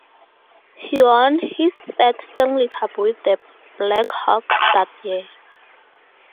He won his third Stanley Cup with the Blackhawks that year.